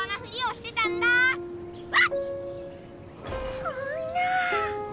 そんな。